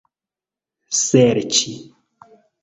serĉi